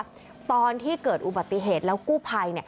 ตอนที่เกิดอุบัติเหตุแล้วกู้ภัย